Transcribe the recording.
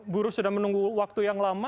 buruh sudah menunggu waktu yang lama